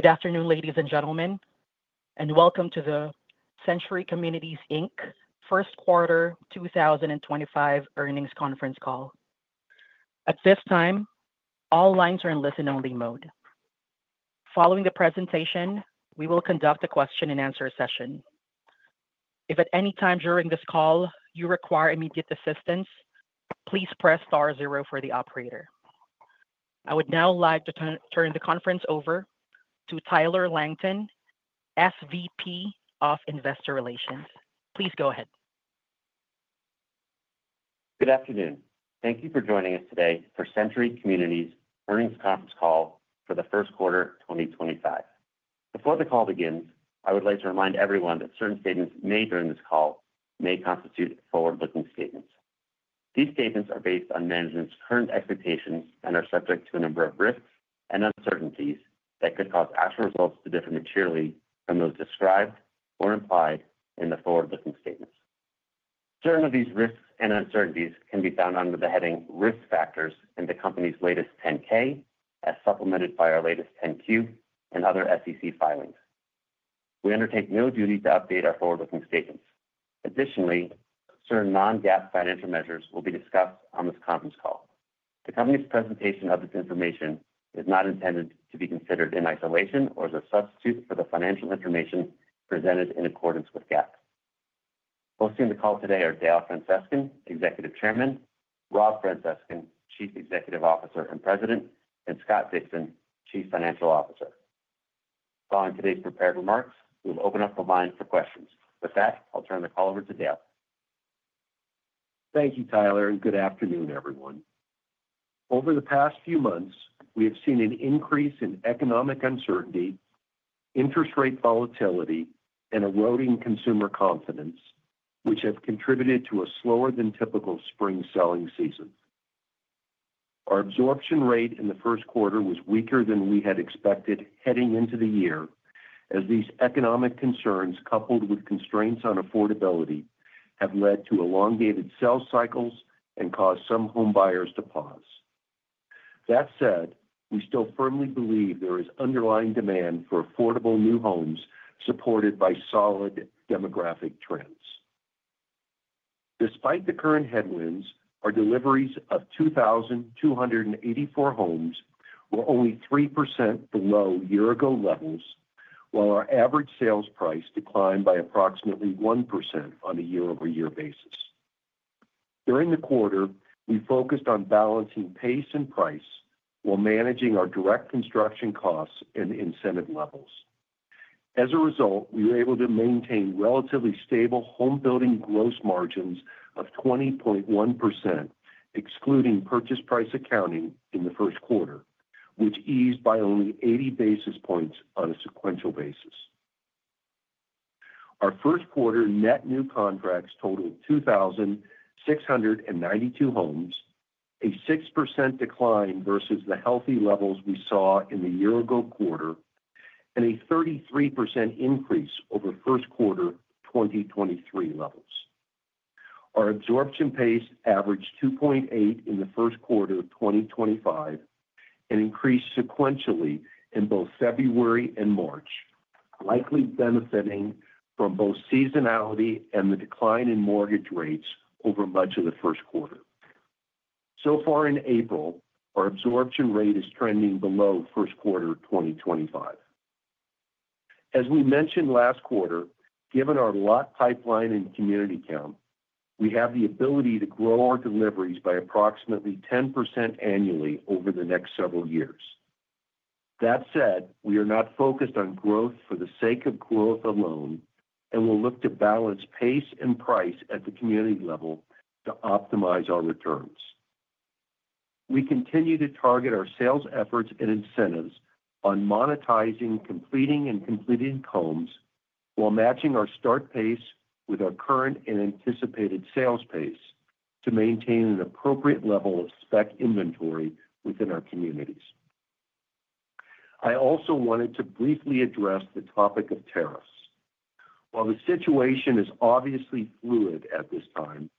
Good afternoon, ladies and gentlemen, and welcome to the Century Communities Q1 2025 Earnings Conference Call. At this time, all lines are in listen-only mode. Following the presentation, we will conduct a question-and-answer session. If at any time during this call you require immediate assistance, please press star zero for the operator. I would now like to turn the conference over to Tyler Langton, SVP of Investor Relations. Please go ahead. Good afternoon. Thank you for joining us today for Century Communities' Earnings Conference Call for the Q1 of 2025. Before the call begins, I would like to remind everyone that certain statements made during this call may constitute forward-looking statements. These statements are based on management's current expectations and are subject to a number of risks and uncertainties that could cause actual results to differ materially from those described or implied in the forward-looking statements. Certain of these risks and uncertainties can be found under the heading Risk Factors in the company's latest 10-K, as supplemented by our latest 10-Q and other SEC filings. We undertake no duty to update our forward-looking statements. Additionally, certain non-GAAP financial measures will be discussed on this conference call. The company's presentation of this information is not intended to be considered in isolation or as a substitute for the financial information presented in accordance with GAAP. Hosting the call today are Dale Francescon, Executive Chairman, Rob Francescon, CEO and President, and Scott Dixon, CFO. Following today's prepared remarks, we will open up the line for questions. With that, I'll turn the call over to Dale. Thank you, Tyler, and good afternoon, everyone. Over the past few months, we have seen an increase in economic uncertainty, interest rate volatility, and eroding consumer confidence, which have contributed to a slower than typical spring selling season. Our absorption rate in the Q1 was weaker than we had expected heading into the year, as these economic concerns, coupled with constraints on affordability, have led to elongated sales cycles and caused some home buyers to pause. That said, we still firmly believe there is underlying demand for affordable new homes supported by solid demographic trends. Despite the current headwinds, our deliveries of 2,284 homes were only 3% below year-ago levels, while our average sales price declined by approximately 1% on a year-over-year basis. During the quarter, we focused on balancing pace and price while managing our direct construction costs and incentive levels. As a result, we were able to maintain relatively stable homebuilding gross margins of 20.1%, excluding purchase price accounting in the Q1, which eased by only 80 basis points on a sequential basis. Our Q1 net new contracts totaled 2,692 homes, a 6% decline versus the healthy levels we saw in the year-ago quarter, and a 33% increase over Q1 2023 levels. Our absorption pace averaged 2.8% in the Q1 of 2025 and increased sequentially in both February and March, likely benefiting from both seasonality and the decline in mortgage rates over much of the Q1. So far in April, our absorption rate is trending below Q1 2025. As we mentioned last quarter, given our lot pipeline and community count, we have the ability to grow our deliveries by approximately 10% annually over the next several years. That said, we are not focused on growth for the sake of growth alone and will look to balance pace and price at the community level to optimize our returns. We continue to target our sales efforts and incentives on monetizing and completing homes while matching our start pace with our current and anticipated sales pace to maintain an appropriate level of spec inventory within our communities. I also wanted to briefly address the topic of tariffs. While the situation is obviously fluid at this time,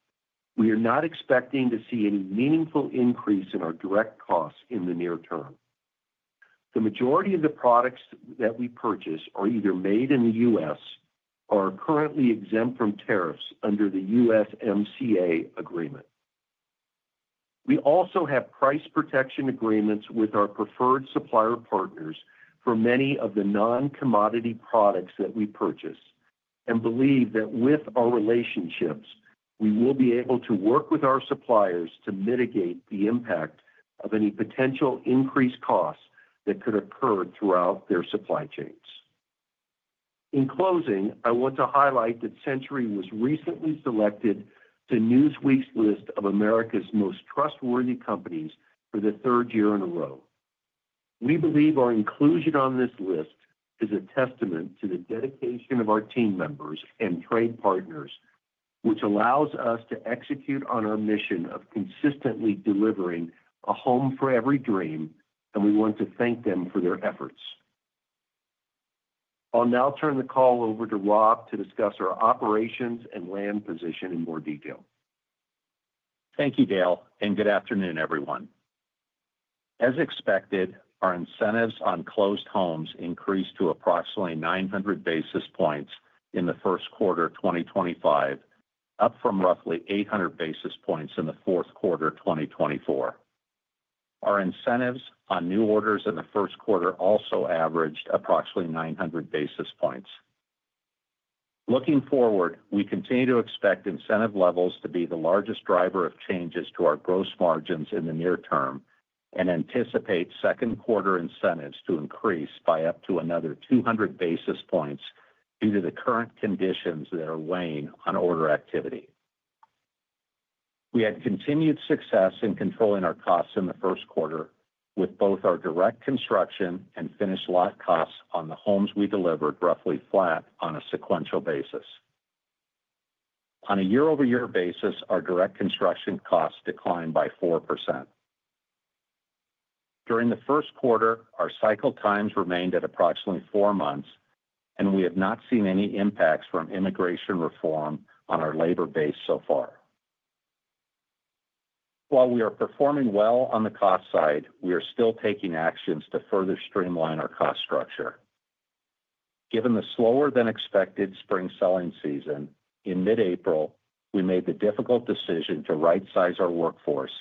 we are not expecting to see any meaningful increase in our direct costs in the near term. The majority of the products that we purchase are either made in the U.S. or are currently exempt from tariffs under the USMCA agreement. We also have price protection agreements with our preferred supplier partners for many of the non-commodity products that we purchase and believe that with our relationships, we will be able to work with our suppliers to mitigate the impact of any potential increased costs that could occur throughout their supply chains. In closing, I want to highlight that Century was recently selected to Newsweek's list of America's Most Trustworthy Companies for the third year in a row. We believe our inclusion on this list is a testament to the dedication of our team members and trade partners, which allows us to execute on our mission of consistently delivering a home for every dream, and we want to thank them for their efforts. I'll now turn the call over to Rob to discuss our operations and land position in more detail. Thank you, Dale, and good afternoon, everyone. As expected, our incentives on closed homes increased to approximately 900 basis points in the Q1 2025, up from roughly 800 basis points in the Q4 2024. Our incentives on new orders in the Q1 also averaged approximately 900 basis points. Looking forward, we continue to expect incentive levels to be the largest driver of changes to our gross margins in the near term and anticipate Q2 incentives to increase by up to another 200 basis points due to the current conditions that are weighing on order activity. We had continued success in controlling our costs in the Q1, with both our direct construction and finished lot costs on the homes we delivered roughly flat on a sequential basis. On a year-over-year basis, our direct construction costs declined by 4%. During the Q1, our cycle times remained at approximately four months, and we have not seen any impacts from immigration reform on our labor base so far. While we are performing well on the cost side, we are still taking actions to further streamline our cost structure. Given the slower-than-expected spring selling season in mid-April, we made the difficult decision to right-size our workforce,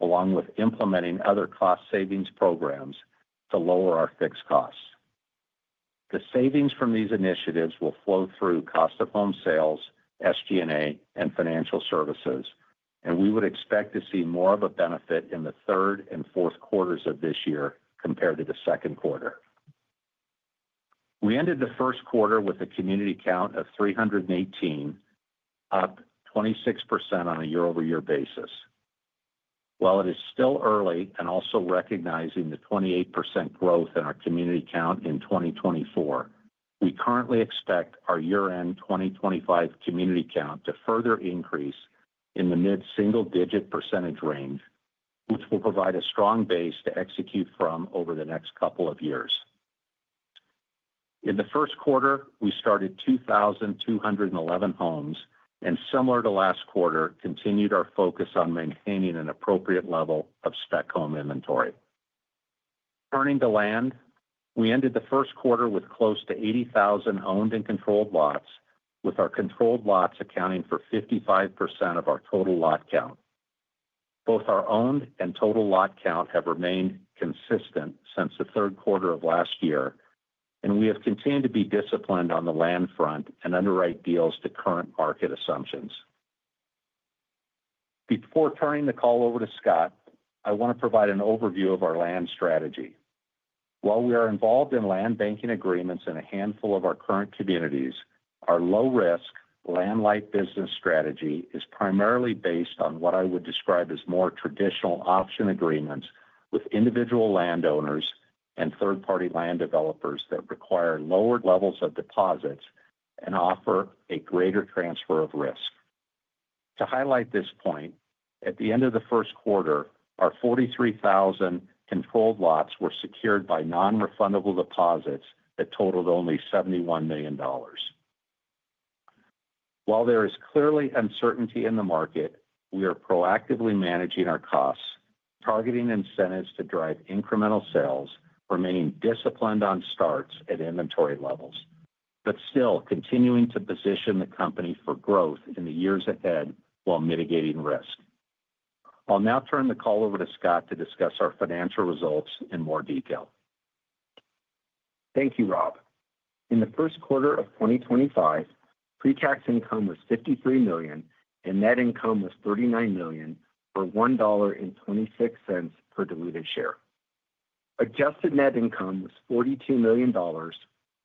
along with implementing other cost-savings programs to lower our fixed costs. The savings from these initiatives will flow through cost of home sales, SG&A, and Financial Services, and we would expect to see more of a benefit in the Q3 and Q4 of this year compared to the Q2. We ended the Q1 with a community count of 318, up 26% on a year-over-year basis. While it is still early and also recognizing the 28% growth in our community count in 2024, we currently expect our year-end 2025 community count to further increase in the mid-single-digit percentage range, which will provide a strong base to execute from over the next couple of years. In the Q1, we started 2,211 homes and, similar to last quarter, continued our focus on maintaining an appropriate level of spec home inventory. Turning to land, we ended the Q1 with close to 80,000 owned and controlled lots, with our controlled lots accounting for 55% of our total lot count. Both our owned and total lot count have remained consistent since the Q3 of last year, and we have continued to be disciplined on the land front and underwrite deals to current market assumptions. Before turning the call over to Scott, I want to provide an overview of our land strategy. While we are involved in land banking agreements in a handful of our current communities, our low-risk land-light business strategy is primarily based on what I would describe as more traditional option agreements with individual landowners and third-party land developers that require lower levels of deposits and offer a greater transfer of risk. To highlight this point, at the end of the Q1, our 43,000 controlled lots were secured by non-refundable deposits that totaled only $71 million. While there is clearly uncertainty in the market, we are proactively managing our costs, targeting incentives to drive incremental sales, remaining disciplined on starts at inventory levels, but still continuing to position the company for growth in the years ahead while mitigating risk. I'll now turn the call over to Scott to discuss our financial results in more detail. Thank you, Rob. In the Q1 of 2025, pre-tax income was $53 million, and net income was $39 million or $1.26 per diluted share. Adjusted net income was $42 million or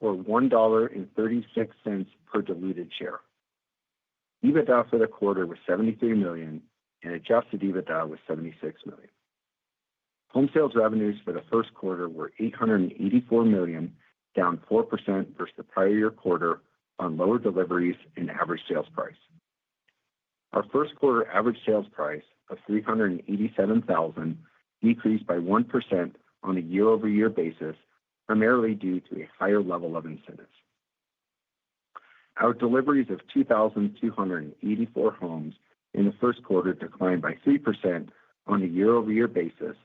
$1.36 per diluted share. EBITDA for the quarter was $73 million, and adjusted EBITDA was $76 million. Home sales revenues for the Q1 were $884 million, down 4% versus the prior year quarter on lower deliveries and average sales price. Our Q1 average sales price of $387,000 decreased by 1% on a year-over-year basis, primarily due to a higher level of incentives. Our deliveries of 2,284 homes in the Q1 declined by 3% on a year-over-year basis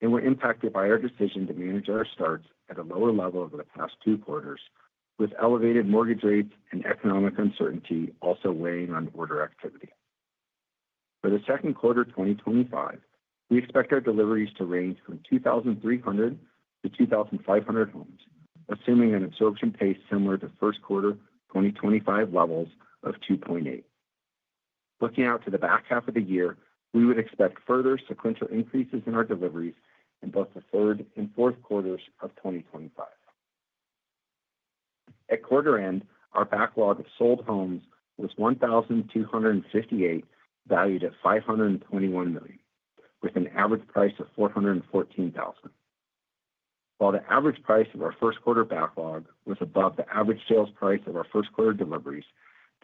and were impacted by our decision to manage our starts at a lower level over the past two quarters, with elevated mortgage rates and economic uncertainty also weighing on order activity. For the Q2 2025, we expect our deliveries to range from 2,300-2,500 homes, assuming an absorption pace similar to Q1 2025 levels of 2.8%. Looking out to the back half of the year, we would expect further sequential increases in our deliveries in both the Q3 and Q4 of 2025. At quarter end, our backlog of sold homes was 1,258, valued at $521 million, with an average price of $414,000. While the average price of our Q1 backlog was above the average sales price of our Q1 deliveries,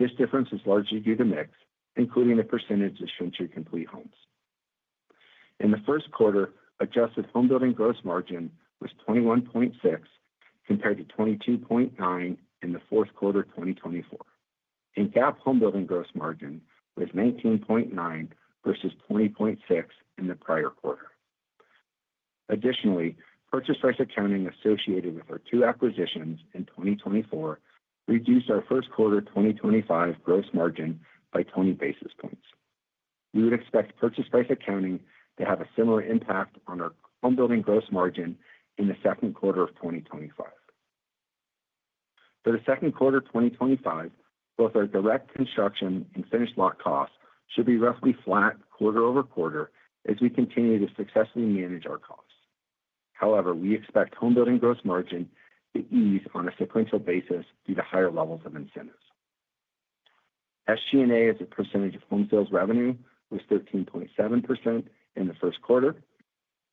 this difference is largely due to mix, including the percentage of Century Complete homes. In the Q1, adjusted homebuilding gross margin was 21.6% compared to 22.9% in the Q4 2024, and GAAP homebuilding gross margin was 19.9% versus 20.6% in the prior quarter. Additionally, purchase price accounting associated with our two acquisitions in 2024 reduced our Q1 2025 gross margin by 20 basis points. We would expect purchase price accounting to have a similar impact on our homebuilding gross margin in the Q2 of 2025. For the Q2 2025, both our direct construction and finished lot costs should be roughly flat quarter-over-quarter as we continue to successfully manage our costs. However, we expect homebuilding gross margin to ease on a sequential basis due to higher levels of incentives. SG&A as a percentage of home sales revenue was 13.7% in the Q1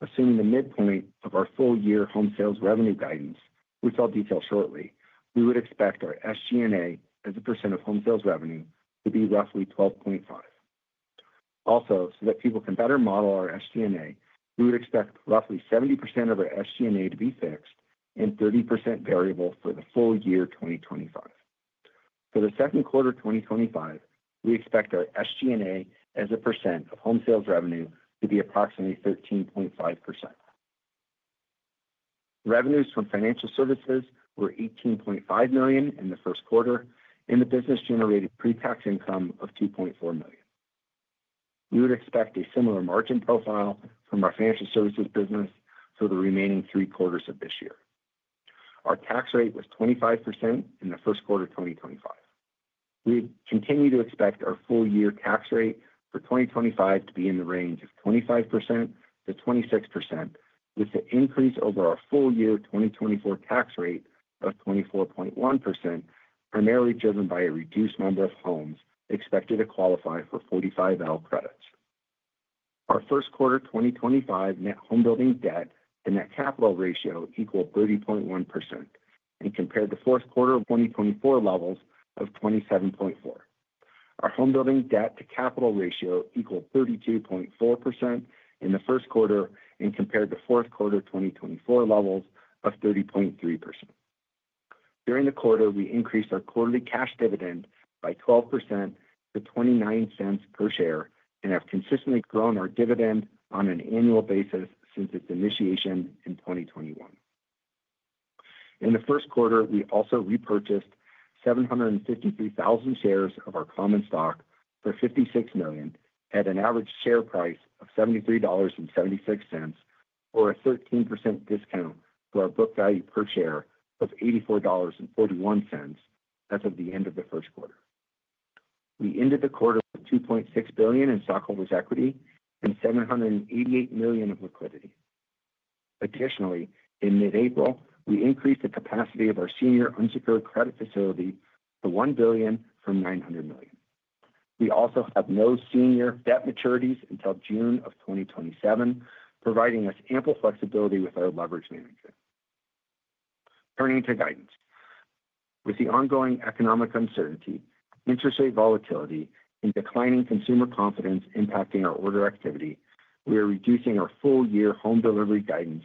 assuming the midpoint of our full year home sales revenue guidance, which I'll detail shortly, we would expect our SG&A as a percent of home sales revenue to be roughly 12.5%. Also, so that people can better model our SG&A, we would expect roughly 70% of our SG&A to be fixed and 30% variable for the full year 2025. For the Q2 2025, we expect our SG&A as a percent of home sales revenue to be approximately 13.5%. Revenues from Financial Services were $18.5 million in the Q1, and the business generated pre-tax income of $2.4 million. We would expect a similar margin profile from our Financial Services business for the remaining three quarters of this year. Our tax rate was 25% in the Q1 2025. We continue to expect our full-year tax rate for 2025 to be in the range of 25%-26%, with the increase over our full year 2024 tax rate of 24.1%, primarily driven by a reduced number of homes expected to qualify for 45L credits. Our Q1 2025 net homebuilding debt to net capital ratio equaled 30.1% and compared to Q4 2024 levels of 27.4%. Our homebuilding debt to capital ratio equaled 32.4% in the Q1 and compared to Q4 2024 levels of 30.3%. During the quarter, we increased our quarterly cash dividend by 12% to $0.29 per share and have consistently grown our dividend on an annual basis since its initiation in 2021. In the Q1, we also repurchased 753,000 shares of our common stock for $56 million at an average share price of $73.76, or a 13% discount for our book value per share of $84.41 as of the end of the Q1. We ended the quarter with $2.6 billion in stockholders' equity and $788 million of liquidity. Additionally, in mid-April, we increased the capacity of our senior unsecured credit facility to $1 billion from $900 million. We also have no senior debt maturities until June of 2027, providing us ample flexibility with our leverage management. Turning to guidance. With the ongoing economic uncertainty, interest rate volatility, and declining consumer confidence impacting our order activity, we are reducing our full year home delivery guidance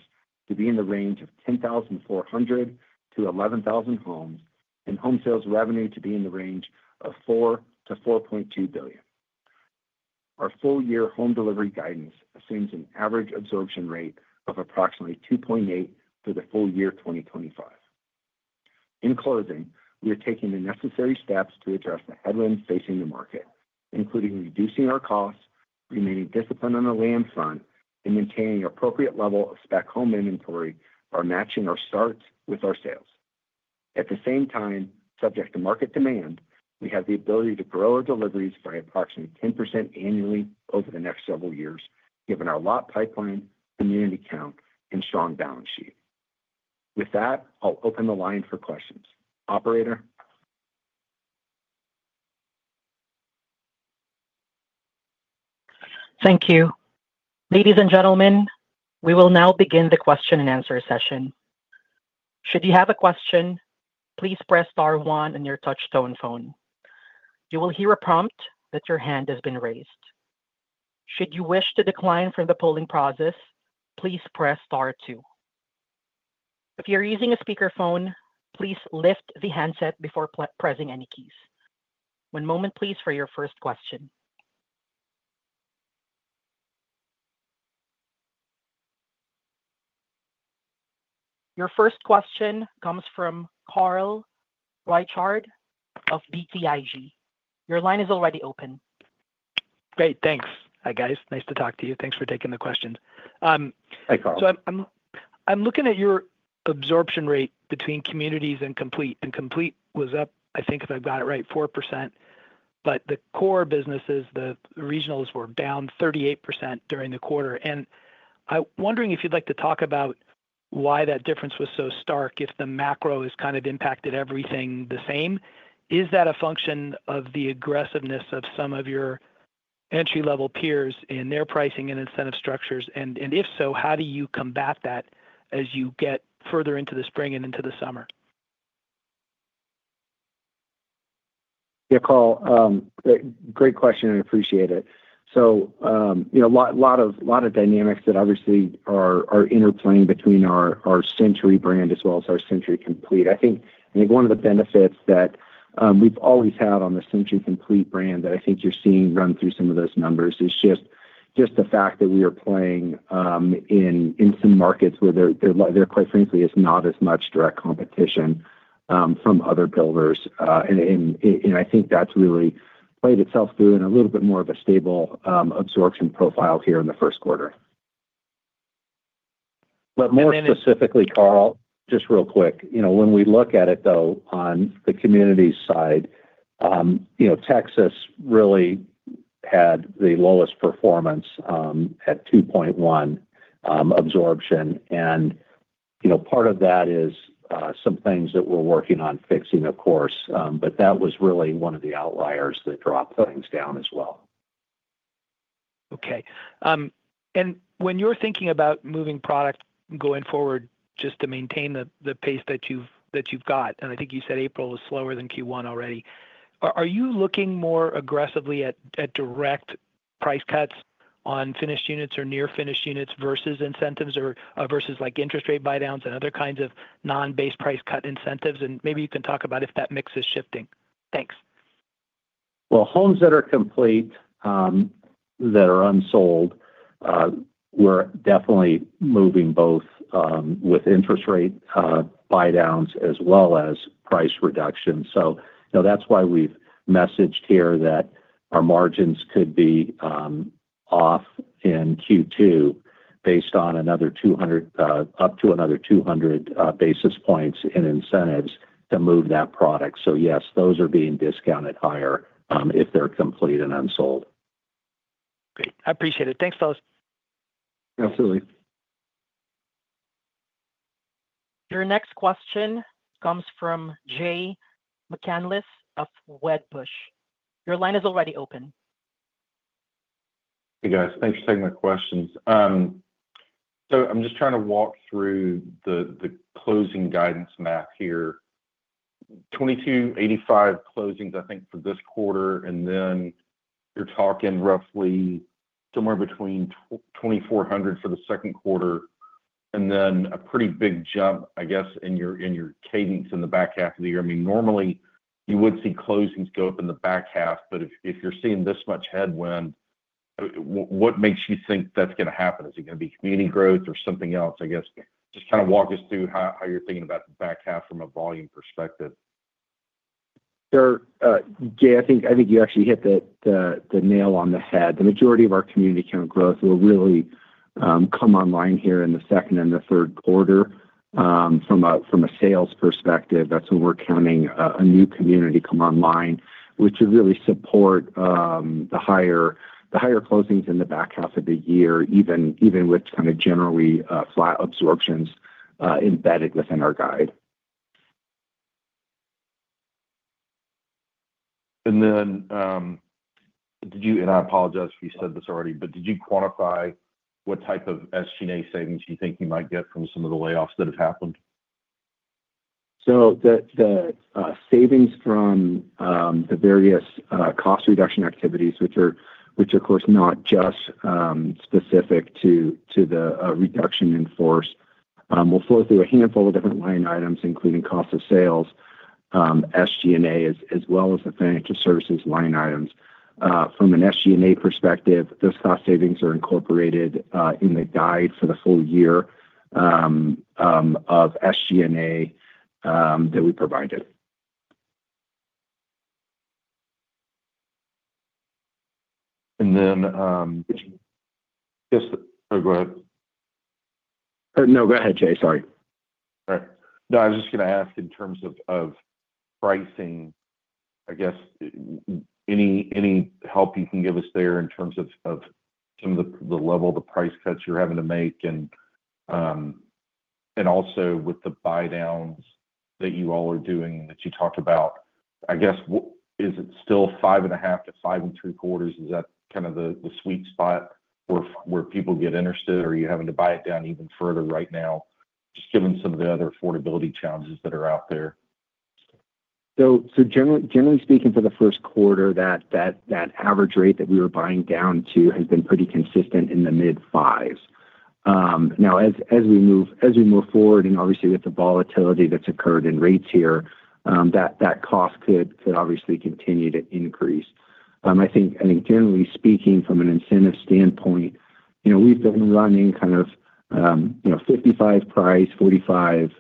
to be in the range of 10,400-11,000 homes and home sales revenue to be in the range of $4 billion-$4.2 billion. Our full year home delivery guidance assumes an average absorption rate of approximately 2.8% for the full year 2025. In closing, we are taking the necessary steps to address the headwinds facing the market, including reducing our costs, remaining disciplined on the land front, and maintaining an appropriate level of spec home inventory by matching our starts with our sales. At the same time, subject to market demand, we have the ability to grow our deliveries by approximately 10% annually over the next several years, given our lot pipeline, community count, and strong balance sheet. With that, I'll open the line for questions. Operator. Thank you. Ladies and gentlemen, we will now begin the question and answer session. Should you have a question, please press star one on your touch-tone phone. You will hear a prompt that your hand has been raised. Should you wish to decline from the polling process, please press star two. If you're using a speakerphone, please lift the handset before pressing any keys. One moment, please, for your first question. Your first question comes from Carl Reichardt of BTIG. Your line is already open. Great. Thanks, guys. Nice to talk to you. Thanks for taking the question. Hey, Carl. I'm looking at your absorption rate between Communities and Complete. Complete was up, I think, if I've got it right, 4%. The core businesses, the regionals, were down 38% during the quarter. I'm wondering if you'd like to talk about why that difference was so stark if the macro has kind of impacted everything the same. Is that a function of the aggressiveness of some of your entry-level peers in their pricing and incentive structures? If so, how do you combat that as you get further into the spring and into the summer? Yeah, Carl, great question. I appreciate it. A lot of dynamics that obviously are interplaying between our Century brand as well as our Century Complete. I think one of the benefits that we've always had on the Century Complete brand that I think you're seeing run through some of those numbers is just the fact that we are playing in some markets where there, quite frankly, is not as much direct competition from other builders. I think that's really played itself through in a little bit more of a stable absorption profile here in the Q1. More specifically, Carl, just real quick, when we look at it, though, on the Community side, Texas really had the lowest performance at 2.1 absorption. Part of that is some things that we're working on fixing, of course, but that was really one of the outliers that dropped things down as well. Okay. When you're thinking about moving product going forward just to maintain the pace that you've got, and I think you said April was slower than Q1 already, are you looking more aggressively at direct price cuts on finished units or near-finished units versus incentives versus interest rate buy-downs and other kinds of non-based price cut incentives? Maybe you can talk about if that mix is shifting. Thanks. Homes that are complete that are unsold, we're definitely moving both with interest rate buy-downs as well as price reductions. That is why we've messaged here that our margins could be off in Q2 based on another 200-up to another 200 basis points in incentives to move that product. Yes, those are being discounted higher if they're complete and unsold. Great. I appreciate it. Thanks, fellas. Absolutely. Your next question comes from Jay McCanless of Wedbush. Your line is already open. Hey, guys. Thanks for taking my questions. I'm just trying to walk through the closing guidance map here. 2,285 closings, I think, for this quarter. Then you're talking roughly somewhere between 2,400 for the Q2. A pretty big jump, I guess, in your cadence in the back half of the year. I mean, normally, you would see closings go up in the back half. If you're seeing this much headwind, what makes you think that's going to happen? Is it going to be community growth or something else? I guess just kind of walk us through how you're thinking about the back half from a volume perspective. Sure. Jay, I think you actually hit the nail on the head. The majority of our community count growth will really come online here in the Q2 and the Q3 from a sales perspective. That's when we're counting a new community come online, which would really support the higher closings in the back half of the year, even with kind of generally flat absorptions embedded within our guide. Did you—and I apologize if you said this already—but did you quantify what type of SG&A savings you think you might get from some of the layoffs that have happened? The savings from the various cost reduction activities, which are, of course, not just specific to the reduction in force, will flow through a handful of different line items, including cost of sales, SG&A, as well as the financial services line items. From an SG&A perspective, those cost savings are incorporated in the guide for the full year of SG&A that we provided. Just—oh, go ahead. No, go ahead, Jay. Sorry. All right. No, I was just going to ask in terms of pricing, I guess, any help you can give us there in terms of some of the level of the price cuts you're having to make? Also with the buy-downs that you all are doing that you talked about, I guess, is it still five and a half to five and three quarters? Is that kind of the sweet spot where people get interested? Are you having to buy it down even further right now, just given some of the other affordability challenges that are out there? Generally speaking, for the Q1, that average rate that we were buying down to has been pretty consistent in the mid-fives. Now, as we move forward and obviously with the volatility that has occurred in rates here, that cost could obviously continue to increase. I think, generally speaking, from an incentive standpoint, we've been running kind of 55 price, 45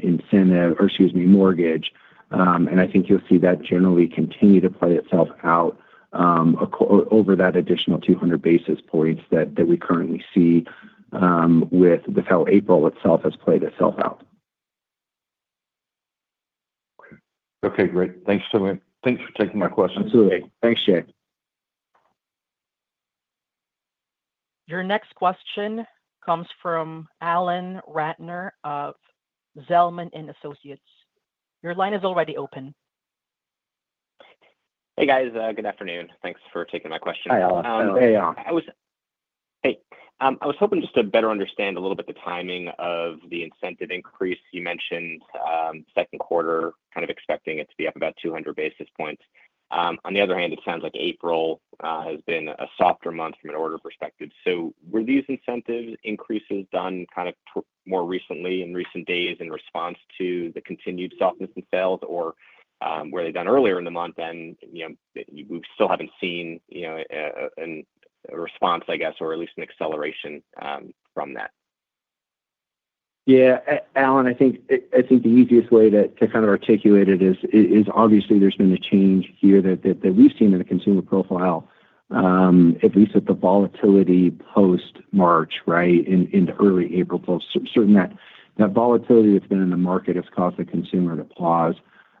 incentive, or excuse me, mortgage. I think you'll see that generally continue to play itself out over that additional 200 basis points that we currently see with how April itself has played itself out. Okay. Okay. Great. Thanks for taking my questions. Absolutely. Thanks, Jay. Your next question comes from Alan Ratner of Zelman & Associates. Your line is already open. Hey, guys. Good afternoon. Thanks for taking my question. Hey. I was hoping just to better understand a little bit the timing of the incentive increase. You mentioned Q2, kind of expecting it to be up about 200 basis points. On the other hand, it sounds like April has been a softer month from an order perspective. Were these incentive increases done kind of more recently in recent days in response to the continued softness in sales, or were they done earlier in the month and we still haven't seen a response, I guess, or at least an acceleration from that? Yeah. Alan, I think the easiest way to kind of articulate it is obviously there's been a change here that we've seen in the consumer profile, at least at the volatility post-March, right, into early April. Certainly that volatility that's been in the market has caused the consumer to pause.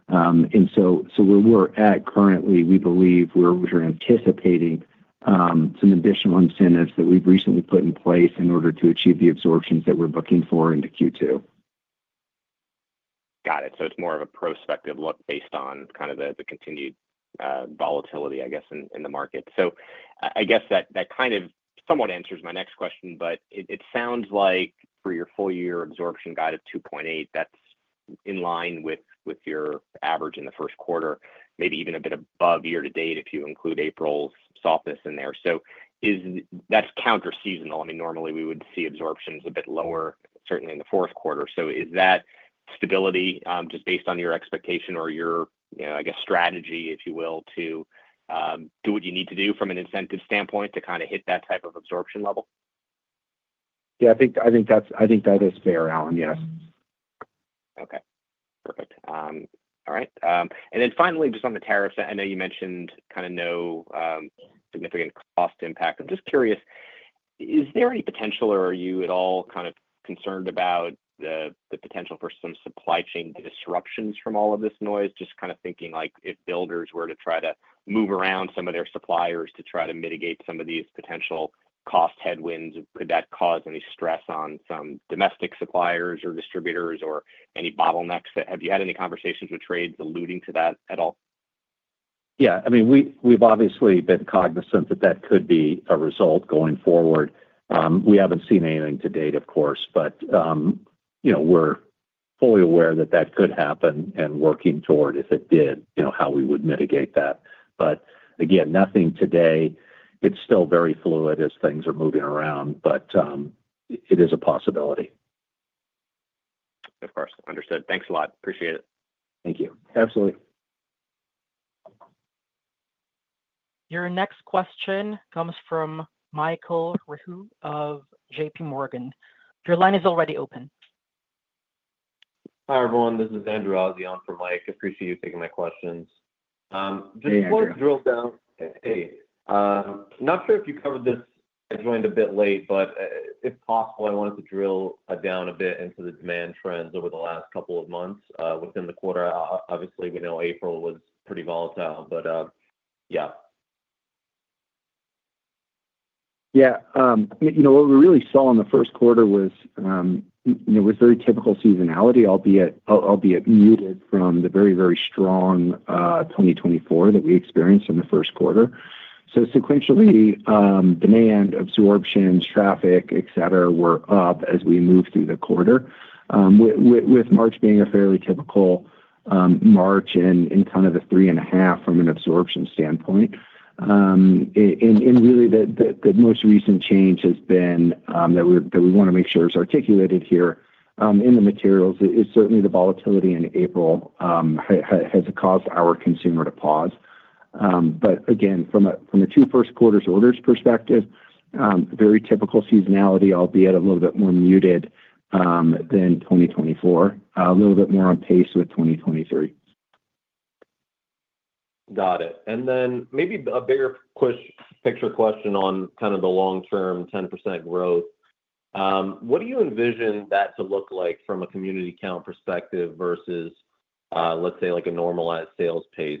Where we're at currently, we believe we're anticipating some additional incentives that we've recently put in place in order to achieve the absorptions that we're looking for into Q2. Got it. So it's more of a prospective look based on kind of the continued volatility, I guess, in the market. I guess that kind of somewhat answers my next question, but it sounds like for your full year absorption guide of 2.8%, that's in line with your average in the Q1, maybe even a bit above year-to-date if you include April's softness in there. That's counter-seasonal. I mean, normally, we would see absorptions a bit lower, certainly in the Q4. Is that stability just based on your expectation or your, I guess, strategy, if you will, to do what you need to do from an incentive standpoint to kind of hit that type of absorption level? Yeah. I think that is fair, Alan. Yes. Okay. Perfect. All right. Finally, just on the tariffs, I know you mentioned kind of no significant cost impact. I'm just curious, is there any potential, or are you at all kind of concerned about the potential for some supply chain disruptions from all of this noise? Just kind of thinking if builders were to try to move around some of their suppliers to try to mitigate some of these potential cost headwinds, could that cause any stress on some domestic suppliers or distributors or any bottlenecks? Have you had any conversations with trades alluding to that at all? Yeah. I mean, we've obviously been cognizant that that could be a result going forward. We haven't seen anything to date, of course, but we're fully aware that that could happen and working toward if it did, how we would mitigate that. Again, nothing today. It's still very fluid as things are moving around, but it is a possibility. Of course. Understood. Thanks a lot. Appreciate it. Thank you. Absolutely. Your next question comes from Michael Rehaut of JPMorgan. Your line is already open. Hi, everyone. This is Andrew Azzi on for Mike. Appreciate you taking my questions. Just wanted to drill down. Hey, not sure if you covered this. I joined a bit late, but if possible, I wanted to drill down a bit into the demand trends over the last couple of months within the quarter. Obviously, we know April was pretty volatile, but yeah. Yeah. What we really saw in the Q1 was very typical seasonality, albeit muted from the very, very strong 2024 that we experienced in the Q1. Sequentially, demand, absorptions, traffic, etc., were up as we moved through the quarter, with March being a fairly typical March and kind of a three and a half from an absorption standpoint. Really, the most recent change has been that we want to make sure it's articulated here in the materials is certainly the volatility in April has caused our consumer to pause. Again, from a two Q1s orders perspective, very typical seasonality, albeit a little bit more muted than 2024, a little bit more on pace with 2023. Got it. Maybe a bigger picture question on kind of the long-term 10% growth. What do you envision that to look like from a community count perspective versus, let's say, a normalized sales pace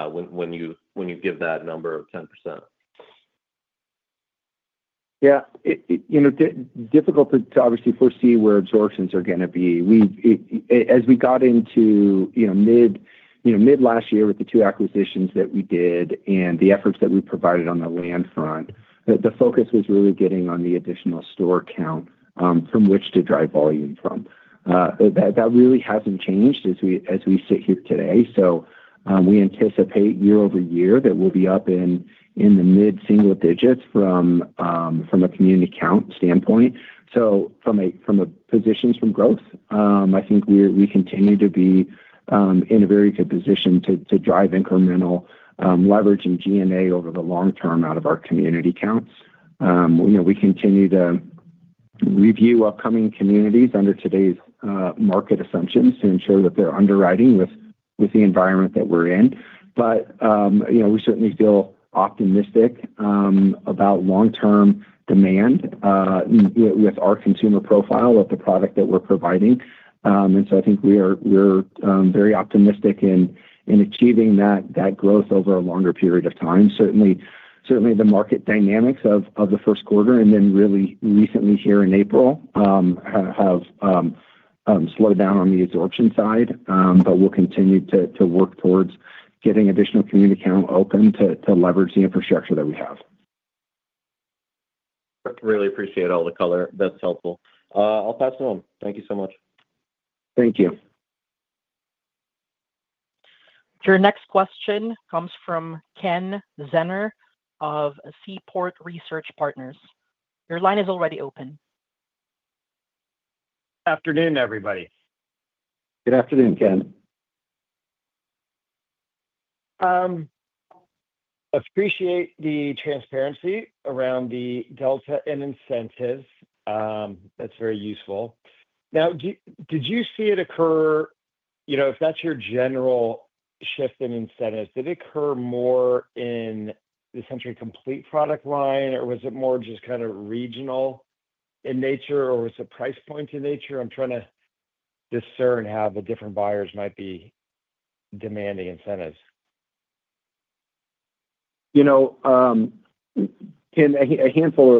when you give that number of 10%? Yeah. Difficult to obviously foresee where absorptions are going to be. As we got into mid-last year with the two acquisitions that we did and the efforts that we provided on the landfront, the focus was really getting on the additional store count from which to drive volume from. That really has not changed as we sit here today. We anticipate year-over-year that we will be up in the mid-single digits from a community count standpoint. From a position from growth, I think we continue to be in a very good position to drive incremental leverage in G&A over the long term out of our community counts. We continue to review upcoming communities under today's market assumptions to ensure that they are underwriting with the environment that we are in. We certainly feel optimistic about long-term demand with our consumer profile of the product that we are providing. I think we're very optimistic in achieving that growth over a longer period of time. Certainly, the market dynamics of the Q1 and then really recently here in April have slowed down on the absorption side, but we'll continue to work towards getting additional community count open to leverage the infrastructure that we have. Really appreciate all the color. That's helpful. I'll pass it on. Thank you so much. Thank you. Your next question comes from Ken Zener of Seaport Research Partners. Your line is already open. Good afternoon, everybody. Good afternoon, Ken. Appreciate the transparency around the delta in incentives. That's very useful. Now, did you see it occur? If that's your general shift in incentives, did it occur more in the Century Complete product line, or was it more just kind of regional in nature, or was it price point in nature? I'm trying to discern how the different buyers might be demanding incentives. Ken, a handful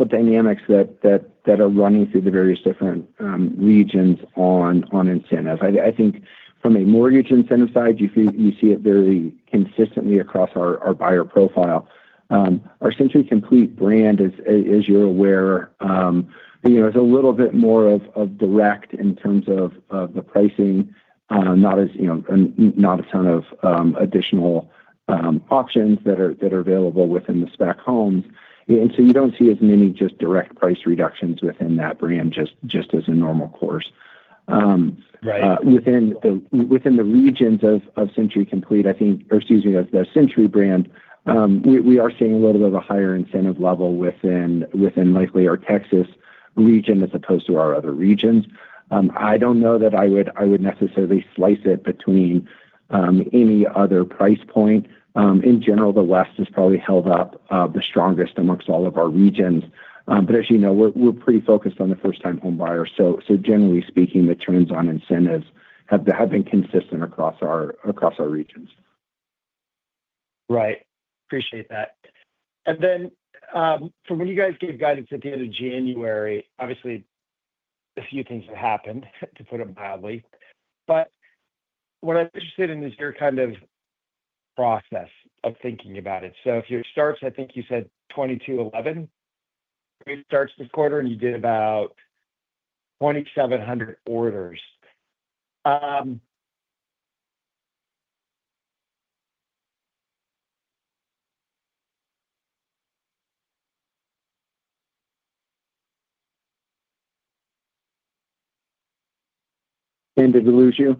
of dynamics that are running through the various different regions on incentives. I think from a mortgage incentive side, you see it very consistently across our buyer profile. Our Century Complete brand, as you're aware, is a little bit more direct in terms of the pricing, not a ton of additional options that are available within the spec homes. You don't see as many just direct price reductions within that brand, just as a normal course. Within the regions of Century Complete, I think, or excuse me, of the Century brand, we are seeing a little bit of a higher incentive level within likely our Texas region as opposed to our other regions. I don't know that I would necessarily slice it between any other price point. In general, the West is probably held up the strongest amongst all of our regions. As you know, we're pretty focused on the first-time home buyers. So generally speaking, the trends on incentives have been consistent across our regions. Right. Appreciate that. From when you guys gave guidance at the end of January, obviously, a few things have happened, to put it mildly. What I'm interested in is your kind of process of thinking about it. If your starts, I think you said 2,211, restarts this quarter, and you did about 2,700 orders. Ken, did we lose you?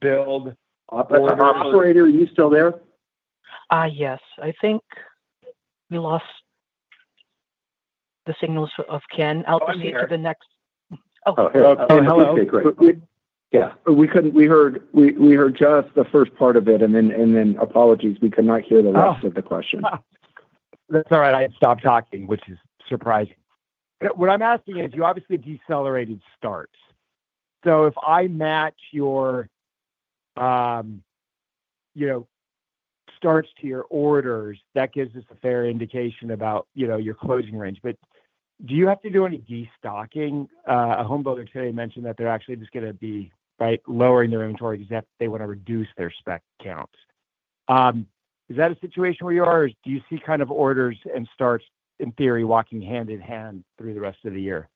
Bill. Operator, are you still there? Yes. I think we lost the signals of Ken. I'll proceed to the next. Oh, hello. Okay. Great. Yeah. We heard just the first part of it, and then apologies, we could not hear the rest of the question. That's all right. I had stopped talking, which is surprising. What I'm asking is you obviously decelerated starts. If I match your starts to your orders, that gives us a fair indication about your closing range. Do you have to do any destocking? A homebuilder today mentioned that they're actually just going to be lowering their inventory because they want to reduce their spec counts. Is that a situation where you are, or do you see kind of orders and starts, in theory, walking hand in hand through the rest of the year?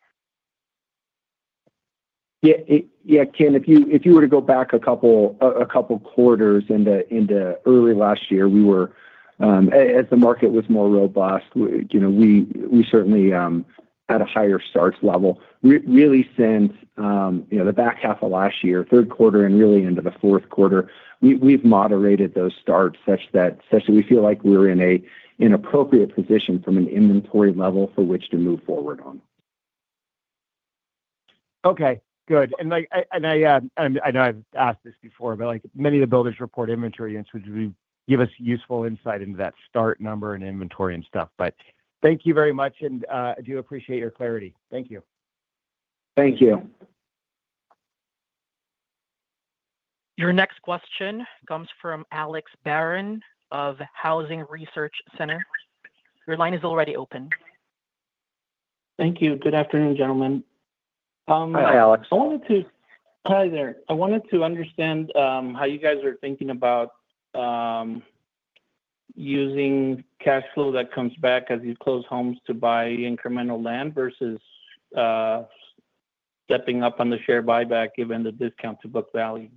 Yeah. Ken, if you were to go back a couple quarters into early last year, as the market was more robust, we certainly had a higher starts level. Really, since the back half of last year, Q3, and really into the Q4, we've moderated those starts such that we feel like we're in an appropriate position from an inventory level for which to move forward on. Okay. Good. I know I've asked this before, but many of the builders report inventory in, which would give us useful insight into that start number and inventory and stuff. Thank you very much, and I do appreciate your clarity. Thank you. Thank you. Your next question comes from Alex Barron of Housing Research Center. Your line is already open. Thank you. Good afternoon, gentlemen. Hi, Alex. Hi there. I wanted to understand how you guys are thinking about using cash flow that comes back as you close homes to buy incremental land versus stepping up on the share buyback given the discount to book value?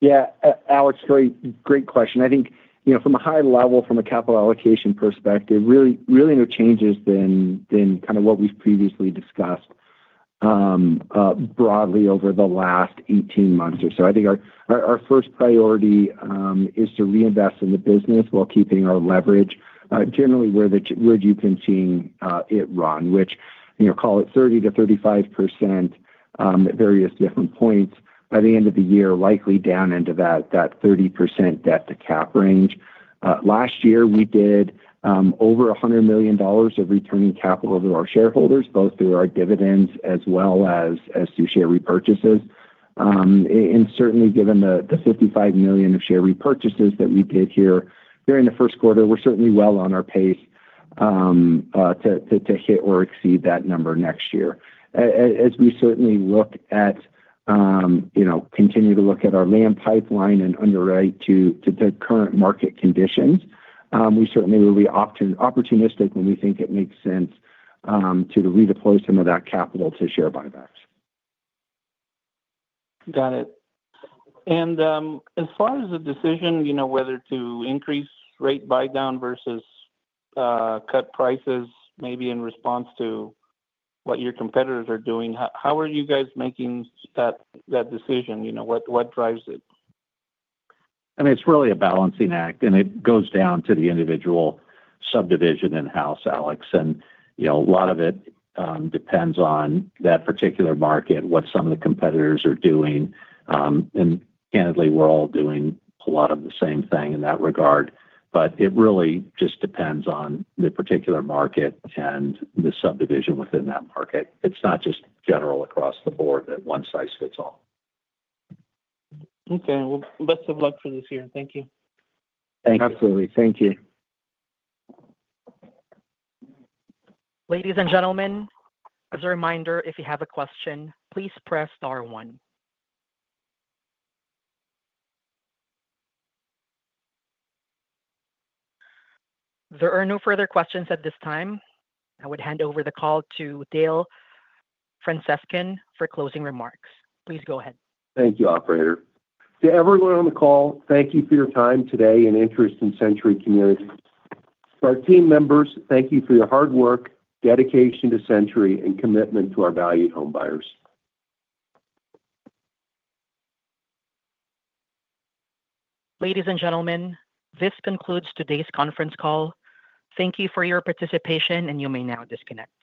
Yeah. Alex, great question. I think from a high level, from a capital allocation perspective, really no changes than kind of what we've previously discussed broadly over the last 18 months or so. I think our first priority is to reinvest in the business while keeping our leverage generally where you've been seeing it run, which call it 30%-35% at various different points. By the end of the year, likely down into that 30% debt-to-cap range. Last year, we did over $100 million of returning capital to our shareholders, both through our dividends as well as through share repurchases. Certainly, given the $55 million of share repurchases that we did here during the Q1, we're certainly well on our pace to hit or exceed that number next year. As we certainly look at, continue to look at our land pipeline and underwrite to current market conditions, we certainly will be opportunistic when we think it makes sense to redeploy some of that capital to share buybacks. Got it. As far as the decision whether to increase rate buy down versus cut prices, maybe in response to what your competitors are doing, how are you guys making that decision? What drives it? I mean, it's really a balancing act, and it goes down to the individual subdivision in-house, Alex. A lot of it depends on that particular market, what some of the competitors are doing. Candidly, we're all doing a lot of the same thing in that regard. It really just depends on the particular market and the subdivision within that market. It's not just general across the board that one size fits all. Okay. Best of luck for this year. Thank you. Thank you. Absolutely. Thank you. Ladies and gentlemen, as a reminder, if you have a question, please press star one. There are no further questions at this time. I would hand over the call to Dale Francescon for closing remarks. Please go ahead. Thank you, Operator. To everyone on the call, thank you for your time today and interest in Century Communities. To our team members, thank you for your hard work, dedication to Century, and commitment to our valued home buyers. Ladies and gentlemen, this concludes today's conference call. Thank you for your participation, and you may now disconnect.